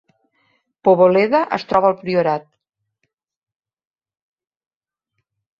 Poboleda es troba al Priorat